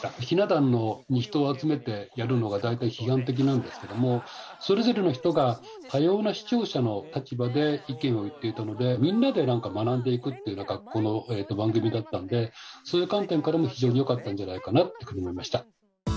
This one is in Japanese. ひな壇に人を集めてやるのはだいたい批判的なんですけどもそれぞれの人が多様な視聴者の立場で意見を言っていたのでみんなで学んでいくという番組だったんでそういう観点からも非常によかったんじゃないかなっていうふうに思いました。